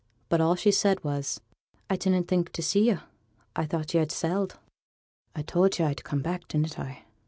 But all she said was 'I didn't think to see yo'. I thought yo'd ha' sailed.' 'I told yo' I should come back, didn't I?'